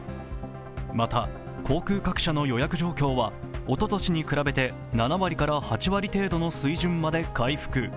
また、航空各社の予約状況はおととしに比べて７割から８割程度の水準まで回復。